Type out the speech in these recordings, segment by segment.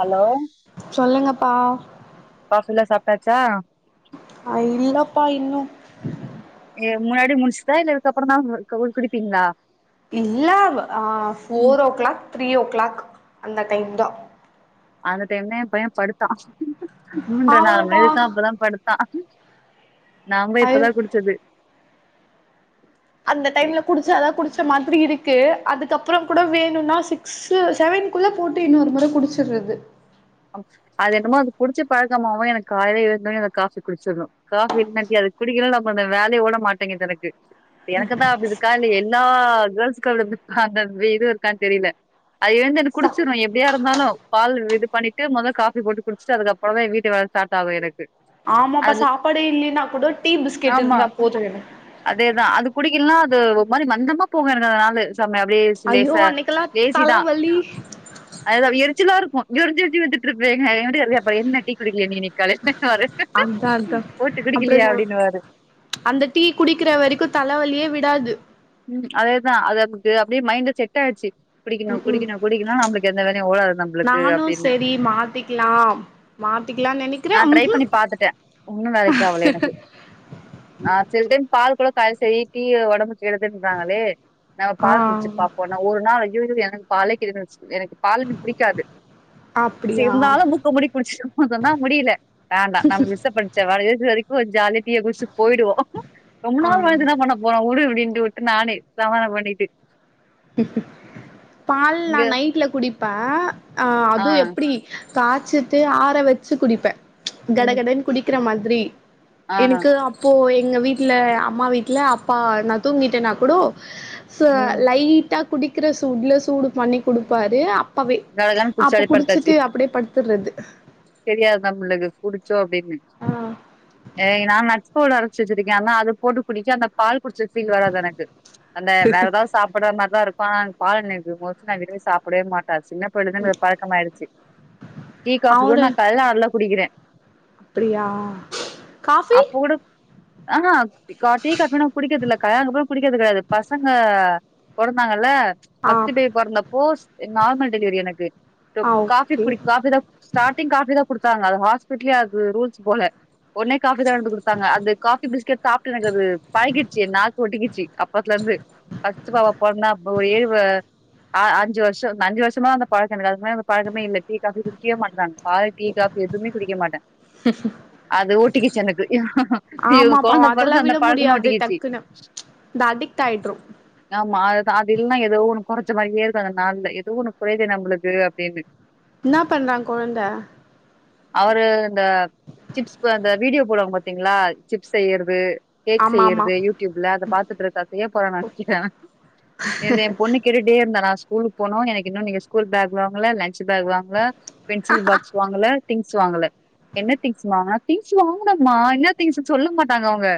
Hello சொல்லுங்கப்பா எல்லா சாப்ட்டாச்சா அ இல்லப்பா இன்னு ஏ முன்னாடி முட்ச்சுதா இல்ல இதுக்கப்றந்தா குடிப்பீங்ளா இல்ல ஆ four o'clock three o'clock அந்த டைம் தா அந்த டைம் தா ஏ பைய படுத்தா மூன்ற நாலு ஆமாப்பா மணியிருக்கு அப்பதா படுத்தா நாங்க ஐயோ இப்பதான் குடிச்சது அந்த டைம்ல குடிச்சா தா குடிச்ச மாரி அப்டி இருக்கு அதுக்கப்புறம் கூட வேணும்னா சிக்ஸ் செவன்குள்ள போட்டு இன்னொரு முறை குடிச்சுடுறது அது என்னமோ அது குடிச்சு பழக்கமாவு எனக்கு காலில எழுந்தோன்னே காபி குடிச்சுறனு. காஃபி இல்லாட்டி அது குடிக்கலும் நம்ம அந்த வேலையை ஓட மாட்டேங்கது எனக்கு எனக்கு தான் அப்பிடி இருக்கு ல எல்லா கேர்ள்ஸ கால அந்த இதுவும் இருக்கான்னு தெரியல அதுந்து எனக்கு சா குடிச்சுரு எப்படியா இருந்தாலும் பால் இது பண்ணி முத காபி போட்டு குடிச்சட்டு அதுக்கப்புறம் தா வீட்டு வேலை ஸ்டார்ட் ஆகும் எனக்கு ஆமாப்பா அது சாப்பாடு இல்லன்னா கூட டீ பிஸ்கெட் இருந்தா போதும் குடிக்கலன்னா அது ஒரு மாதிரி மந்தமா போகு எனக்கு அந்த நாலு அப்படியே லேச ஐயோ அன்னைக்கெல்லா லேசி தான் தலவலி அது அப்டி எரிச்சலா இருக்கும். எரிஞ் எரிஞ்து வுலுந்துட்டு இருப்ப. வந்து என்ன டீ குடிக்கலயா இன்னைக்கு நீ காலைல அதா அதா அப்புற குடிக்கலையா அ அப்டின்னுவாரு அந்த டீ குடிக்கிற வரைக்கு தலைவலியே வி விடாது ம் அதேதா அது அ அப்டியே மைண்ட் செட் ஆயிடுச்சு குடிக்கணு உம் உம் குடிக்கணு குடிக்கணு ச் நம்மளுக்கு எந்த வேலையு ஓடாது நம்பளுக்கு நானு அப்டின்னு சரி மாத்திக்கலா மாத்திக்கலா நினை நா ட்ரை பண்ணி பாத்துட்ட ஒன்னு வேலைக்கு ஆவல எனக்கு ஆஹ் சில டைம் பால் கூட காய சரி டி டீ உடம்புக்கு கெடுதுன்றாங்களே நம்ம ஆ பால் குடிச்சு பாப்போ நா ஒரு நாள் ஐய்யய்யோ பாலே [unintelligible] எனக்கு பால் என்கு பிடிக்காது ச அப்டியா இருந்தாலும் மூக்க முடி குடிச்ச சொன்னா முடியல வேண்டா நம்ம விச பரிச்ச வரைசி வரைக் போ ஜாலியா டீய குடுச்சுட்டு போயிடுவோ ரொம்ப ஆ நாள் வாழ்ந்து என்னா பண்ண போறோ உடு அப்டின்னு வுட்டு வுட்டு நானே சமாதாம பண்ணிட்டு பால் ந நா இங்க நைட்ல குடிப்பே ஆஹ் ஆ அதுவு எப்டி காய்ச்சுட்டு ஆற வச்சு குடிப்பே ம் கடகடுனு குடி கிர மாதிரி ஆ எனக்கு அப்போ எங்க வீட்ல அம்மா வீட்ல அப்பா நா தூங்கிட்டேனா கூடோ ச ம் லைட் டா குடிக்கிற சூட்ல சூடு பண்ணி குடுப்பாரு அப்பவே கடகடன்னு குடிச்சு அப்ப அடி படுத்தாச்சு குடிச்சிட்டு அப்டியே படுத்துறது சோ அப்டின்னு ஆ ஏ நானாச் போல் அரச்சு வச்சிருக்கே ஆனா அத போட்டு குடிக்க அந்த பால் குடிச்ச ஃபீல் வராது எனக்கு அந்த வேற ஏதாவது சாப்டுற மாரிதா இருக்கு பால் எனக்கு மோச்ட் நா விரும்பி சாப்டவே மாட் சின்ன பிள்ளேலருந்து பழக்கம்மயிடுச்சு டீ காபி கூட அவரு நா கல்ல அறுல குடிக்கிறே அப்டியா காஃபி அஹா க்கா டி‌ காபில குடிக்கிறதுல்லக்கா அதுக்கப்பரோ குடிக்கிறது கெடையாது பசங்க பொறந்தாங்கல்ல ஆ ஃபஸ்ட் பேபி பொறந்தப்போ நார்மல் டெலிவரி எனக்கு ஆ டுக் காஃபி ஓகே குடி காஃபி தாக் ஸ்டாடிங் காஃபி தாக் குடுத்தாங்க அது ஹாஸ்பிட்லே அது ரூல்ஸ் போல ஒட்னே காஃபி தா வந்து குடுத்தாங்க அந்து காஃபி பிஸ்கெட் சாப்பிட்டு எனக்கு அது பழகிச்சு நாக்கு ஒட்டிகிச்சு கப் அப்பத்துலேந்து ஃபஸ்ட் பாப்பா பொற்ந்தா அப்பவே வ அ அஞ்சு வருஷ் ஷோ அந்த அஞ்சு வருஷமா அந்த பழக்கோ எனக்கு அதுக்முன்ன பழக்கமேல்ல டீ காஃபி குடிக்கவே மாட்டே நானு பால் டீ காஃபி எதூமே குடிக்க மாட்டே அது ஒட்டிக்கிச்சு எனக்கு டி ஆமாப்பா கொழந்த அதெல்லா பொறந்து அந்த விட பழக்கமூ முடியாது ஒட்டிக்கிச்சு டக்குன்னு இந்த அடிக்ட் ஆயிட்ரு ஆமா அது தா அது இல்லன ஏதோ ஒன்னு கொறைச்ச மாரியேருக்கூ எனக்கு நாள்ல ஏதோ ஒன்னு கொறைய்தே நம்மளுக்கு அப்டின்னு என்னா பண்றா கொழுந்த அவரு இந்த சிப்ஸ் ப அந்த வீடியோ போடுவாங் பாத்தீங்களா சிப்ஸ் செய்யறது கேக் ஆமா ஆமா செய்யறது யூடியூப்ல அத பாத்துட்ருக்கா செய்யப் போறா நெனைச்சிட்டே ஏங்க ஏ பொண்ணு கேட்டுட்டேருந்தா லாஸ் ஸ்கூலுக்கு போணூ எனக்கு இன்னூ நீங்க ஸ்கூல் பேக் வாங்கல லன்ச் பேக் வாங்கல பென்சில் பாக்ஸ் வாங்கல திங்ஸ் வாங்கல என்ன திங்ஸ் வாங்கான திங்ஸ் வாங்கனமா என்ன திங்ஸ்ன்னு சொல்ல மாட்டாங்க அவுங்க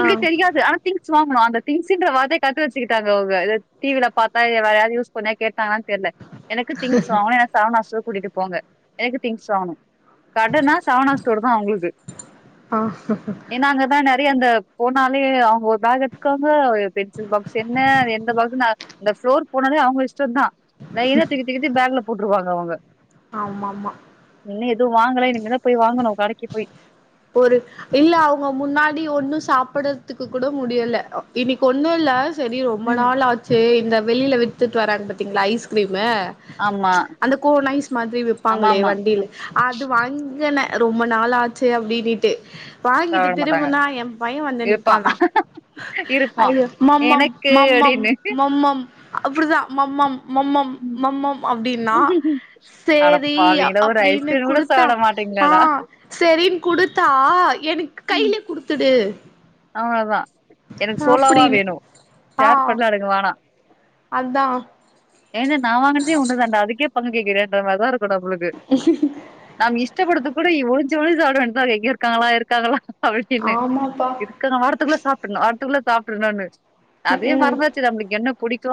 ஆ தெரியாது ஆனா திங்ஸ் வா அந்த திங்ஸ்ன்ற வார்த்த கத்து வச்சுட்டாங்கவுங்க ஏதொ டிவில பாத்தா வேற‌ யாரா யூஸ் கொஞ் நே கேட் ஆ தெர்ல எனக்கு திங்ஸ் வாங்கணூ என்ன சரவணா ஸ்டோர்ஸ் கூட்டிட்டு போங்க எனக்கு திங்ஸ் வாங்கணு கடனா சரவணா ஸ்டோர் தா அவுங்களுக்கு ஆ ஏன்னா அங்க தா நெற் பி அங்க போனாலே அவுங்க பேக் எட்க்காங்க பென்சில் பாக்ஸ் என்ன எந்த பாக்ஸ் அ ஃப்ளோர் போனாலே அவுங்க இஷ் டோந்தா லைனா தூக்கி தூக்கி பேக்ல போட்டுருவாங்க அவங்க ஆமாமா இன்னு எதுவூ வாங்கலே இனிமேதா போய் வாங்கணூ கடைக்கு போய் ஒரு இல்ல அவுங்க முன்னாடி ஒன்னு சாப்படதுக்கு கூட முடியல இன்னைக்கு ஒன்னூல்ல செரி ரொம்ப ம். நாள் ஆச்சே இந்த வெளியில வித்துட்டு வராங்க பாத்தீங்ளா ஐஸ்கிரீம் மே ஆமா. அந்த கோனைஸ் மாத்ரி விப்பாங்களே ஆமாமா. வண்டில் அது வங்கின ரொம்ப நாள் ஆச்சு அப்டி நீட்டு வாங்கிட்டு சாப்பிட மாட்டாங்க. திரும்பனா எம்பைய வந்து இருப்பான் நிப்பானா இருப்பான். ஐய மம்மம் எனக்கு மம்மம் அப்டின்னு. மம்மம் அப்டிதா மம்மம் மம்மம் மம்மம் அப் அப்டின்னா அட சேரி பாவிங்களா ஒரு அப்புடின்னு ஐஸ்கிரீம் கூட குடுத்தா சாப்ட ஆ மாட்டீங்களாடா செரினு குடுத்தா எனக்கு கையில குடுத்துடு அவ தா எனக்கு சோலோவா அப்டின்னு வேணு ஆ சேர் பண்ணல எனக்கு வேனா அதா ஏ நா வாங்குனதே ஒன்னே தாண்டா அதுக்கே பொண்ணு கேக்குறியான்ற மாரிதா இருக்கும் நம்மளுக்கு நாம் இஷ்டப்படுத்து கூட ஒழுஞ்சு ஒழுஞ்சு சாப்ட வேண்டதா எங்க இருக்காங்களா இருக்காங்களா ஆமாப்பா ஆறத்துக்குள்ள சாப்டறனு ஆறத்துக்குள்ள சாப்ட்றன்னு ம் அதேயே ம் மறந்தாச்சு நம்மளுக்கு என்னப் புடிக்கு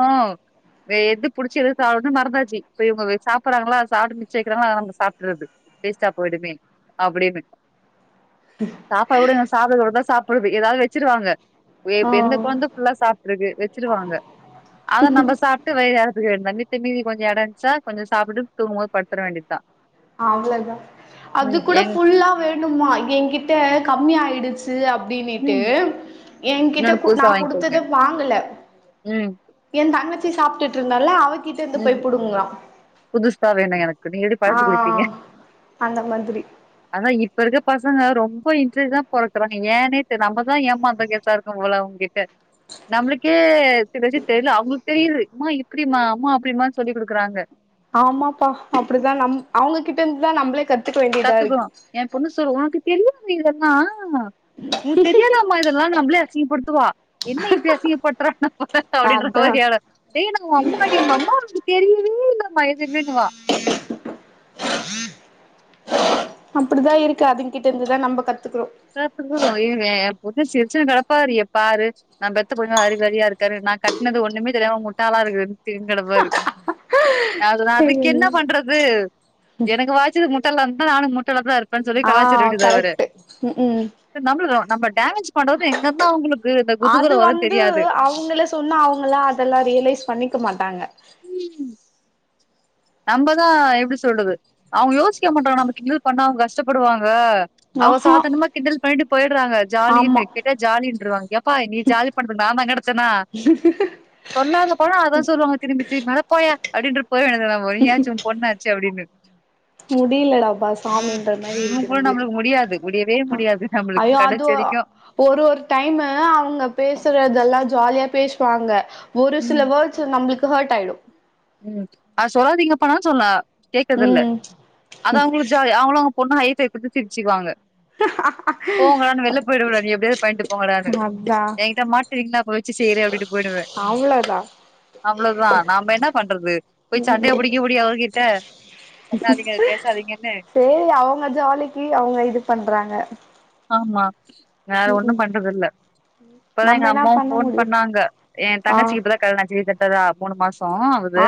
எது புடிச்சுருக்குன்னு சாப்புடணன்னு மறந்தாச்சு இப்ப இவுங்க சாப்டடுறாங்களா சாப்ட்டு மிச்ச வைக்கிறாங்களா அத நம்ம சாப்ட்டுறது வேஸ்ட்டா போய்டுமே அப்டின்னு சாப்பாடு கூட இன்னு சாப்ட சொல்லிட்டா சாப் பொழுபு எதாவது வச்சுருவாங்க வே ஆ இப்ப எந்த கொழந்த ஃபுல்லா சாப்ட்ருக்கு வச்சுருவாங்க அத நம்ம சாப்ட்டு வெயிறரத்துக்கு தாண்டி ந்த மீதி கொஞ்சோ எடோ இருந்துச்சுன்னா கொஞ்சோ சாப்புட்டு தூங்கும்போது படுத்துற வேண்டியதா அவ்ளோதா அது ம் கூட எங் ஃபுல்லா வேணுமா ஏங்கிட்ட கம்மி ஆயிடுச்சு அப்டினீட்டு ம் ஏங்கிட்ட இன்னொன்னு கு நா புதுசா வாங்கிக்கோங்க குடுத்தத வாங்கல ம் ஏ தங்கச் சாப்டுட்டு இருந்தால அவக் உம் புதுசா வேணா எனக்கு நீ எடி ஆ களச்சு போய்டீங்க அந்த மாதிரி ஆனா இப்ப இருக்க பாச ங்க ரொம்ப இன்ட்ரெஸ்ட்தா பொறக்குறாங்க ஏனே தெர்ல நம்மதா ஏமாந்தா கோச இருக்க போல உங்கிட்ட நம்மளுக்கே எதாச்சு தெர்ல அவுங்ளுக் தெரியுது மா இப்புடிம்மா அம்மா அப் டிம்மா சொல்லிக் குடுக்குறாங்க ஆமாப்பா அப்டிதா நம் அவுங்க கிட் இருந்தா நம்ளே கத் கத்துக்கணு ஏ பொண்ணு சொல் உனக்கு என்னங்க பி இதல்லா எனக்கு தெரியாத அம்மா இதெல்லா நம்மளே அசிங்கப்படுத்துவா என்ன இப்டி அசிங்கப்படுறா அப்டின்ற அதா மாரி [unintelligible] ஏ நா ஓ அம்மாடின்னு வா அம்மாக்கு தெரியும் [unintelligible] [unintelligible] அப்படிதான் இருக்கு அதுங்க கிட்ட இருந்துதான் நம்ம கத் சத்து கு [unintelligible] [unintelligible] சிருச்சுட்டு கிடப்பாரு ஏ பாரு நான் பெத்த பொண்ணு அறிவாளியா இருக்கு நான் கட்டினது ஒண்ணுமே தெரியாம முட்டாலா இருக்குதுன்னு கிடப்பாருக்கு அதுக்கு என்ன பண்றது எனக்கு வாச்சது முட்டால்லா இருந்தா நானு முட்டால தான் இருக் ஆஹ் கரெக்ட் ம் ம் ஆ நம்ப அது குதூகல வரும் வந்து தெரியாது அவங்கள சொன்னா அவங்கள அதெல்லாம் ரியலைஸ் பண்ணிக்க மாட்டாங்க நம்மதான் எப்படி சொல்றது அவங்க யோசிக்க மாட்டங்க நமக்கு இனது பண்ண அவங்க கஷ்டப்படுவாங்க அவ ஆஹா சாதனமா கிந்தல் பண்ணிட்டு போய் விட்ருவாங்க ஜாலின்னு ஆமா கேட்டா ஜாலின்ருவாங்க எப்பா நீ ஜாலி பண்ண நா தா கிடச்சனா சொல்லாதப்பலா அதான் சொல்லுவாங்க திரும்பி திரும்பி அட போயா அப்படின் போயது ஒரு யாச்சும் உ பொண்ணாச்சு அப்டின்னு முடியலடாப்பா சாமின்ற மாதிரி இவங்க இருக்கு கூட நம்மளுக்கு முடியாது முடியவே முடியாது நம்மளுக்கு ஐயோ அது கடைசி வரைக்கும் ஒரு ஒரு டைமு அவங்க பேசுறதெல்லா ஜாலியா பேச வாங்க ஒரு சில வேர்ட்ஸ் நம்மளுக்கு ஹர்ட்டாய்டு உம் அ சொல்லாதீங்கப்பானான் சொல்லன் கேக்குது இல்ல ம் அது அவங்களுக்கு ஜாலி அவங்களும் பொண்ணு ஹைத் திரிச்சுக்குவாங்க போங்கடானு வெளில போய்டுவே நீ எப்டியாவது பண்ட்டு போங்கடானு அதா என்கிட்ட மாட்டுவீங்கள அப் உ வச்சு செய்ற அப்டிட்டு போயிடுவே அவ்ளோதா அவ்வளவுதா நாம என்ன பண்றது போய் சண்டைய புடிக்க முடியு அவர்கிட்ட பண்ணாதீங்க பேசாதீங்கன்னு சேரி அவங்க ஜாலிக்கு அவங்க இது பண்றாங்க ஆமா வேற ம் ஒண்ணு ம் பண்றது இல்ல இப்பதா நம்ம எங்க என்ன அம்மாவும் பண்ண போன் முடியு பண்ணாங்க என் ஆ தங்கச்சிக்கு இப்ப தா கல்யாண ஆச்சு ப்ப தா மூணு மாஸ் போனோ ஆவுது ஆ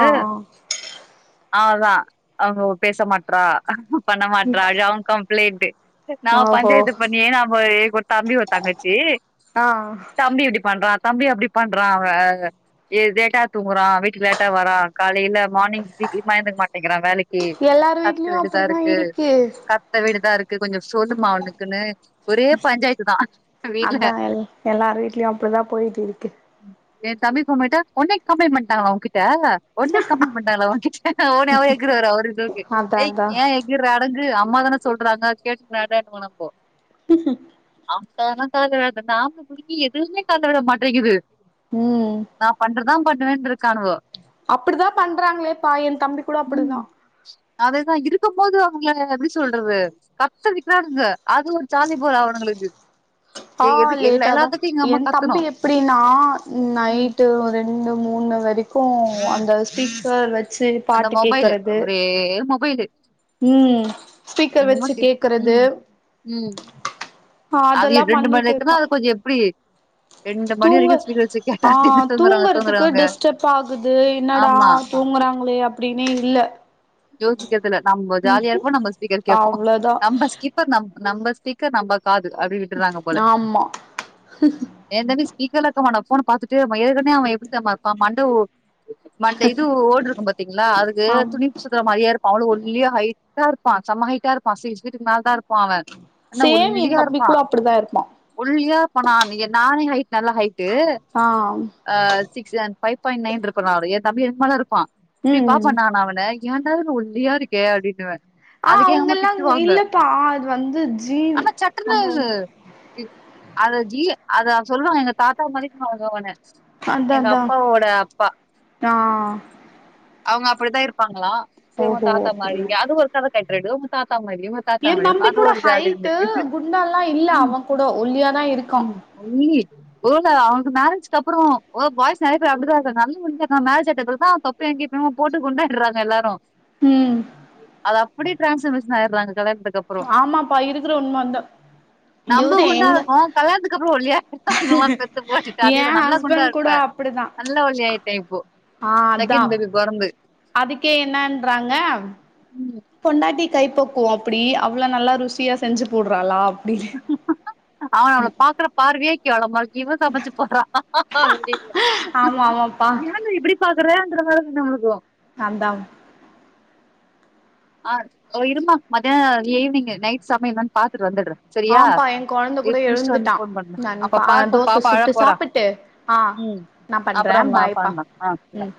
அ அதா அவங்க பேச மாட்றா பண்ண மாட்றா ஜன் கம் ப்ளேட்டு நா ஆ ஓஹோ பஞ்சாயத்துப் [unintelligible] ஒரு தம்பி ஒரு தங்கச்சி ஆ தம்பி இப்டி பண்றா தம்பி அப்டி பண்றா ங்க லேட்டா தூங்குறா வீட்டுக்கு லேட்டா வரா காலைல மார்னிங் [unintelligible] மயந்துக்க மாட்டேங்கிறாங்க வேலைக்கி எல்லார் கத்த வீட்லயு அப்டிதா வேண்டுதாருக்கு இருக்கு கத்த வேண்டுத இருக் கு கொஞ்ச சொல்லுமா அவனுக் க்குனு அதா எ எல்லார் வீட்லயு அப்புடிதா போயிட்டுருக்கு என் தம்பி குமிட்டா உன்னே கம்ப்ளைண்ட் பண்ணிட்டாங்களா உனகிட்ட ஒன்னே கம்ப்ளைண்ட் பண்ட்டாளா உன்கிட்ட உனே அவர் எகுருவாரு அவரு கு அதா எய் அதா ஏ எகுர அடங் க்கு அம்மா தான சொல்றாங்க கேட்டுட்டு நடனு [unintelligible] ஹுஹும் [unintelligible] நாம குடிக்கி எதுவுமே கால்ல விட மாட்டேங்கிது ம் நா பண்றதா பண்ணுவேனு இருக்கானுவோ அபடிதா பண்றாங்களேப்பா என் தம்பி கூட அப்டிதா அததா இருக்கும் போது அவங்கள எப்டி சொல்றது கத்த வெக்கிறானுங்க அது ஒரு ஜாலிப் போல அவுனுங்களுக்கு ஆ லேட்டா தா என் கத்தணு தம்பி எப்டின்னா ம் நைட்டு ரெண்டு மூணு வரைக்கு அந்த ஸ்பீக்கர் வச் அந்த மொபைலு ஒரே மொபைலு ம் ஸ்பீக்கர் என்னமோ வெச்சு தி கேக்கறது ம் ம் அது ரெண்டு மண இருக்குன்னா அது கொஞ்ச டீ தூங்க திருப்பி அஹ் தூங்குறவங்க தூங்குறதுக்கு தூங்குறவங்க டிஸ்டர்ப் ஆகுது என்னடா ஆமா தூங்குறாங்களே அப்படின் நீ இல்ல யோசிக்கிறதுல நம்ம ஜாலியா இருப்போ நம்ம ஸ்பீக்கர் கேட்போ அவ்ளோதா நம்ம ஸ்கிப்பர் நம்ம நம்ம ஸ்டிக்கர் நம்ப காது அப்படி விட்டுறாங்க போல ஆமா என் தம்பி வீக்கல இருக்கமட்டான் போன்னை பாத்துட்டே இருப்பான் ஏற்கனே அவன் எப்படி தெரியுமா இருப்பான் மண்டை மண்டை இது ஓடு இருக்கும் பாத்தீங்களா அவனுக்கு ஆமா துணிப் து மாரியே இருப்பான் அவ்வுளோ ஒல்லியா ஹைட்டா இருப்பான் செம்மா ஹைட்டா இருப்பான் சிக்ஸ் மீட்டருக்கு மேல தான் இருப்பான் அவன் என்னா சேம் என் ஒல்லியா தம்பி இருப்பான் கூட அப்டிதா இருப்பா ஒல்லியா இருப்பான் நான் நீயே நானே ஹை நல்லா ஹைட்டு ஆ அஹ் six and five point nine இருக்கணு அவரு எய் தம்பி எனக்கு மேல இருப்பான் இப்டி ம் பாப்பே நா அவளை ஏன்டா இப்புடி ஒல்லியா இருக்கே அப்டின்னுவே அஆஹ் அதுக்கு எங்க அம்மா அவுங்கெல்லா இங்க திட்டுவாங்க இல்லப்பா அது வந்து ஜீன் ஆனா சட்டுனு அங்க வந்து அத ஜீ அத அவுங்க சொல்லுவாங்க எங்க தாத்தா மாதிரி [unintelligible] வாங்கன்னு அதாதா ஆஹ் அவுங்க அப்புடிதா இருப் இருப்பாங்களா சேர் உங் தாத்தா மாதிரி அது ஒரு கலர் ரெட் ரெட் உங்க தாத் என் தம்பி கூட ஹைட்டு இருந்தது குண்டால்லா இல்ல அவங்கூடோ ஒல்லியாதா இருக்கா ஒருவேல அவனுக்கு மேரேஜ்க்கு அப்புறோ ஓ பாய்ஸ் நெறையா பேர் அப்புடிதா இருக்காங்க நல்ல ஒரு முன்னேற்றோ மேரஜ் ஆயிட்ட பிறகு தா தொப்பையு கிப்பையு போட்டுக் குண்டா விட்றாங்க எல்லாரு ம் அதா அப்டியே டிரான்ஸ்பர்மேஷன் ஆயிடுறாங்க கல்யாணத்துதுக்கு அப்புறோ ஆமாப்பா இருக்குற உண்ம அதா நம்ம இவரு எங்க குண்டாருக்கோ கல்யாணத்துக்கு அப்புறோ ஒல்லியா அந்த மாதிரி டிரஸ்ஸ போட்டுட்டு ஏ அதே தா நல்லா குண்டா ஹஸ்பண்ட் கூட இருப்பே அப்டிதா நல்லா ஒல்லியாயிட்டே இப்போ ஆ அதா செகண்ட் தம்பி பொறந்து அதுக்கே என்னன்றாங்க ம். பொண்டாட்டி கைப்பக்குவோ அப்புடி அவ்ளோ நல்லா ருசியா செஞ்சு போடுறாளா டீலு அவே அவள பாக்கற பார்வையே கேவலமா இருக் இவ சமைச்சு போடுறா அப்டின்னு ஆமா ஆமாப்பா இவுங்க இப்புடி பாக் [unintelligible] நாந்தா ஆ தோ இரும்மா மத்யானோ ஈவி்னிங் நைட் சமையல் என்னனு பாத்துட்டு வந்துடுறே சரியா ஆம்ப்பா ஏ கொழந்த கூட முடிச்சுட்டு வந்து எழுந்துட்டா ஃபோன் பண்ணு அப்ப நான்ப்பா பாரு இப்ப தோச பாப்பா அழ சுட்டு போறா சாப்புட்டு ஆஹ் ம் நா பண்றே அப்புறம் பாய்ப்பா பண்ணலாம் ஆ உம்